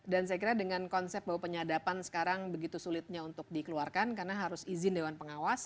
dan saya kira dengan konsep bahwa penyadapan sekarang begitu sulitnya untuk dikeluarkan karena harus izin dewan pengawas